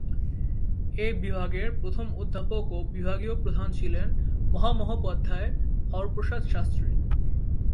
এ বিভাগের প্রথম অধ্যাপক ও বিভাগীয় প্রধান ছিলেন মহামহোপাধ্যায় হরপ্রসাদ শাস্ত্রী।